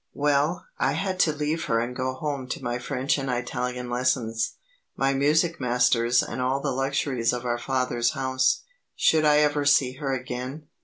Well, I had to leave her and go home to my French and Italian lessons, my music masters and all the luxuries of our father's house. Should I ever see her again?